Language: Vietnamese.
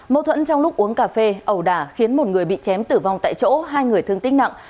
mâu thuẫn trong lúc uống cà phê ẩu đả khiến một người bị chém tử vong tại chỗ hai người thương tích nặng